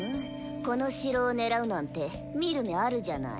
この城を狙うなんて見る目あるじゃない。